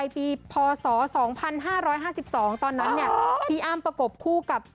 ปีพศ๒๕๕๒ตอนนั้นพี่อ้ำประกบคู่กับ